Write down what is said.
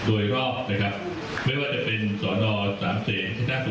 โดยรอบนะครับไม่ว่าจะเป็นสอดออกสามเศษชนะสงครามนางเลิก